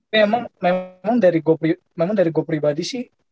tapi memang dari gue pribadi sih